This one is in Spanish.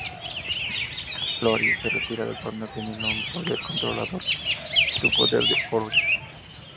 Iori se retira del torneo temiendo no poder controlar su poder de Orochi.